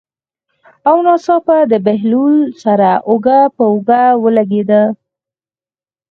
او ناڅاپه د بهلول سره اوږه په اوږه ولګېده.